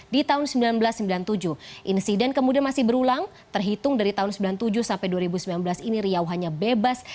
di tahun seribu sembilan ratus sembilan puluh tujuh insiden kemudian masih berulang terhitung dari tahun seribu sembilan ratus sembilan puluh tujuh sampai dua ribu sembilan belas ini riau hanya bebas